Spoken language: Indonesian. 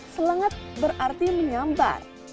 selengat berarti menyambar